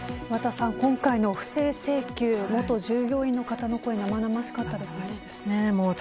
今回の不正請求、元従業員の方の声が生々しかったですね。